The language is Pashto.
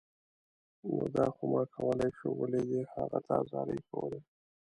نو دا خو ما کولای شو، ولې دې هغه ته زارۍ کولې